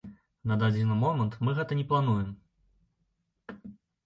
На дадзены момант мы гэта не плануем.